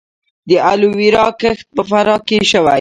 د الوویرا کښت په فراه کې شوی